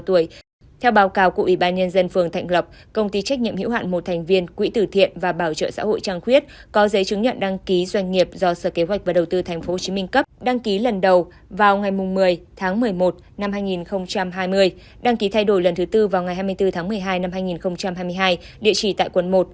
theo báo cáo của ủy ban nhân dân phường thạnh lộc công ty trách nhiệm hiểu hạn một thành viên quỹ tử thiện và bảo trợ xã hội trang khuyết có giấy chứng nhận đăng ký doanh nghiệp do sở kế hoạch và đầu tư tp hcm cấp đăng ký lần đầu vào ngày một mươi tháng một mươi một năm hai nghìn hai mươi đăng ký thay đổi lần thứ tư vào ngày hai mươi bốn tháng một mươi hai năm hai nghìn hai mươi hai địa chỉ tại quận một